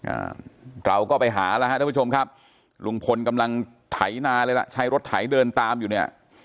อ่าเราก็ไปหาแล้วฮะท่านผู้ชมครับลุงพลกำลังไถนาเลยล่ะใช้รถไถเดินตามอยู่เนี่ย